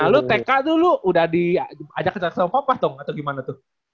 nah lu tk tuh lu udah diajak sama papa dong atau gimana tuh